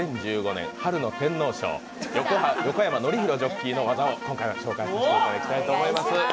２０１５年春の天皇賞、横山典弘ジョッキーの技を御覧いただきたいと思います。